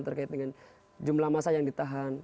terkait dengan jumlah masa yang ditahan